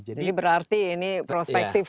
jadi berarti ini prospektif